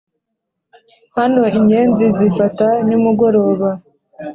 hano inyenzi zifata nimugoroba;